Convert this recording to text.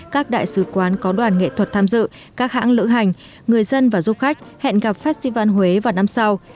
các đại sứ quán có đoàn nghệ thuật tham dự các hãng lữ hành người dân và du khách hẹn gặp festival huế vào năm sau